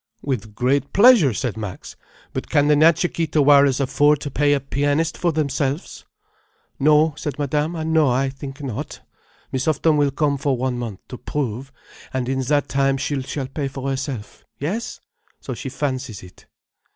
"With great pleasure," said Max. "But can the Natcha Kee Tawaras afford to pay a pianist for themselves?" "No," said Madame. "No. I think not. Miss Houghton will come for one month, to prove, and in that time she shall pay for herself. Yes? So she fancies it."